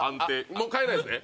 もう変えないですね？